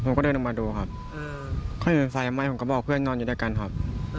ผมก็เดินออกมาดูครับเขาเห็นไฟไหม้ผมก็บอกเพื่อนนอนอยู่ด้วยกันครับ